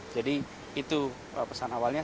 jadi itu pesan awalnya